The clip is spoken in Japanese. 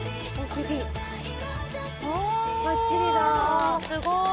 おすごい。